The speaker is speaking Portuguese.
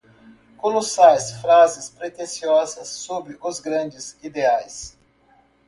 colossais frases pretensiosas sobre os grandes ideais